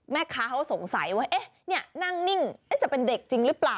แม่ค้าเขาสงสัยว่านั่งนิ่งจะเป็นเด็กจริงหรือเปล่า